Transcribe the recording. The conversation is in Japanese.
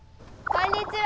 こんにちは。